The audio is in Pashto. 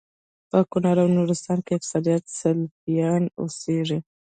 په کونړ او نورستان کي اکثريت سلفيان اوسيږي